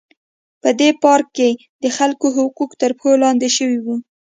په دې پارک کې د خلکو حقوق تر پښو لاندې شوي وو.